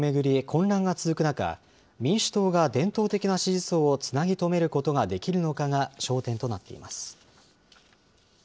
混乱が続く中、民主党が伝統的な支持層をつなぎ止めることができるのかが焦点となっています。